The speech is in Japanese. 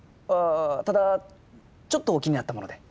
ただちょっと気になったもので。